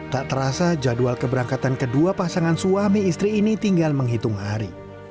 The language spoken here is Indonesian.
tak terasa jadwal keberangkatan kedua pasangan suami istri ini tinggal menghitung hari